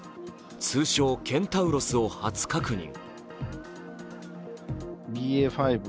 通称ケンタウロスを初確認。